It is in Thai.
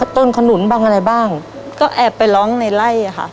ขนุนบ้างอะไรบ้างก็แอบไปร้องในไล่ค่ะ